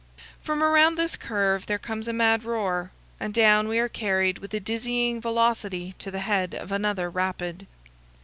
From around this curve there comes a mad roar, and down we are carried with a dizzying velocity to the head of another rapid.